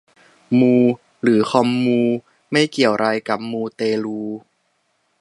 มูหรือคอมมู ไม่เกี่ยวไรกับมูเตลู